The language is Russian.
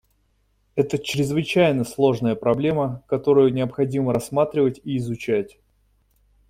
Это чрезвычайно сложная проблема, которую необходимо рассматривать и изучать.